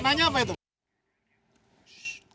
itu maknanya apa itu pak